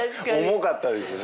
重かったですよね。